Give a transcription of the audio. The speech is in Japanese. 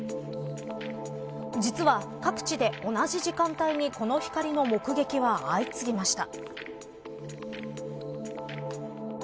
実は、各地で同じ時間帯にこの光の目撃は相次ぎました。